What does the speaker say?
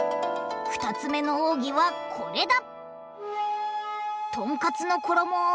２つ目の奥義はこれだ！